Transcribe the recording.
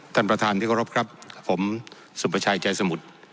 ท่านประธานที่เคารพครับผมสุประชัยใจสมุทร